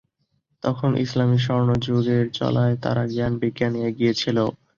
তখন ইসলামী স্বর্ণযুগের চলায় তারা জ্ঞান-বিজ্ঞানে এগিয়ে ছিল।